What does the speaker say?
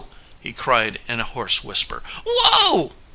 he cried in a hoarse whisper. "Whoa!"